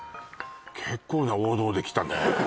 結構な王道できたね